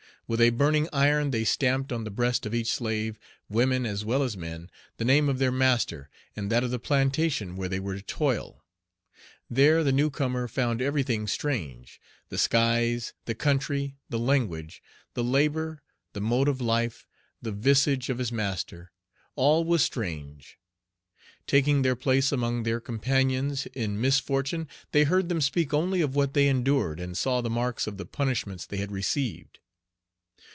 With a burning iron they stamped on the breast of each slave, women as well as men, the name of their master, and that of the plantation where they were to toil. There the new comer found everything strange, the skies, the country, the language, the labor, the mode of life, the visage of his master, all Page 30 was strange. Taking their place among their companions in misfortune, they heard them speak only of what they endured, and saw the marks of the punishments they had received.